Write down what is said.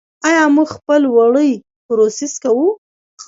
آیا موږ خپل وړۍ پروسس کوو؟